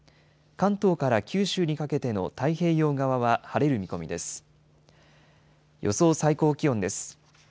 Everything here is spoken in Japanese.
関東から九州にかけての太平洋側は晴れる見込みです。